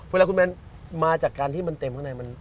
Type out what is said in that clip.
เวลาคุณแมนมาจากการที่มันเต็มข้างใน